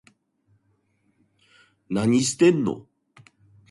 何してんの